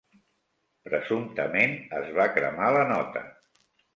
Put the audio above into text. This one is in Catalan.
Presumptament, es va cremar la nota.